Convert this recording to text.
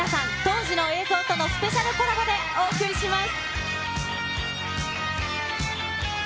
当時の映像とのスペシャルコラボでお送りします。